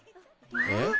えっ？